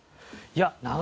いや。